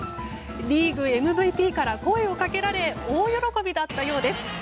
リーグＭＶＰから声を掛けられ大喜びだったようです。